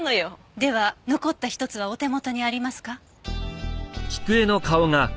では残った１つはお手元にありますか？